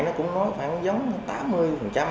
nó cũng nói khoảng giống như tám mươi phần trăm